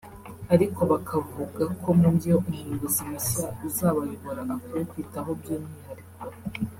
ariko bakavuga ko mubyo umuyobozi mushya uzabayobora akwiye kwitaho by’umwihariko